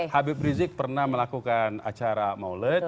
habib rizik pernah melakukan acara maulid